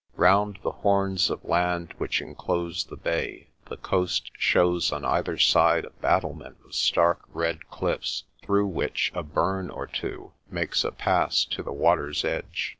Round the horns of land which enclose the bay the coast shows on either side a battlement of stark red cliffs through which a burn or two makes a pass to the water's edge.